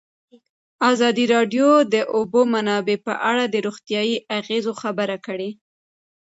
ازادي راډیو د د اوبو منابع په اړه د روغتیایي اغېزو خبره کړې.